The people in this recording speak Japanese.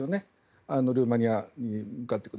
ルーマニアに向かっている。